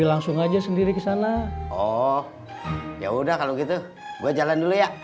langsung aja sendiri ke sana oh ya udah kalau gitu gua jalan dulu ya